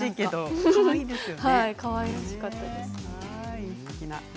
かわいらしかったです。